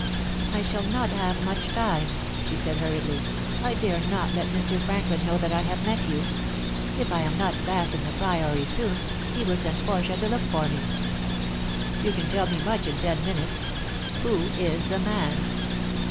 "I shall not have much time," she said hurriedly. "I dare not let Mr. Franklin know that I have met you. If I am not back in the Priory soon, he will send Portia to look for me." "You can tell me much in ten minutes. Who is the man?"